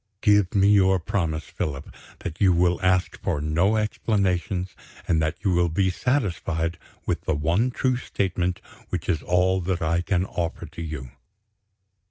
Give me your promise, Philip, that you will ask for no explanations, and that you will be satisfied with the one true statement which is all that I can offer to you."